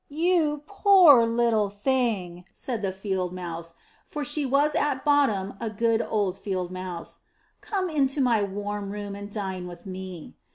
You poor little thing,*' said the Field Mouse, for she was at bottom a good old Field Mouse. ''Come into my warm room and dine with me.'